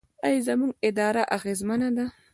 آیا زموږ اداره اغیزمنه ده؟